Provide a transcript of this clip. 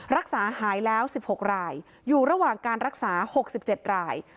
รักษาหายแล้ว๑๖รายอยู่ระหว่างการรักษา๖๗ราย